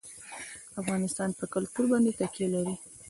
افغانستان په کلتور باندې تکیه لري.